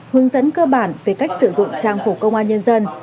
hướng dẫn cơ bản về cách sử dụng trang phục công an nhân dân